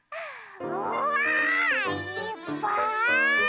うわ！いっぱい！